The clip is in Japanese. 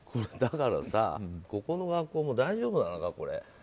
だからさ、ここの学校も大丈夫なのかな？